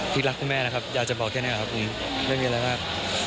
พี่รักคุณแม่นะครับอยากจะบอกแค่นี้ครับครับผมเรื่องนี้แหละครับ